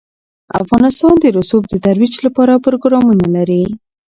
افغانستان د رسوب د ترویج لپاره پروګرامونه لري.